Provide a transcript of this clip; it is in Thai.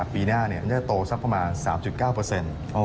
ปีหน้ามันจะโตสักประมาณ๓๙